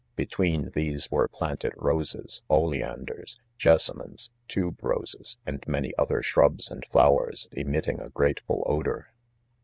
— Between these were planted roses, oleanders ? jessamines, tuberoses, and many other shrubs and flowers emitting" a grateful odour.